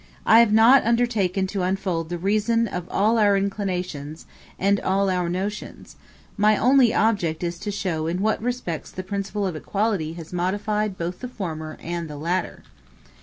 I have not undertaken to unfold the reason of all our inclinations and all our notions: my only object is to show in what respects the principle of equality has modified both the former and the latter.